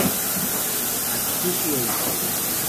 Atsushi Abe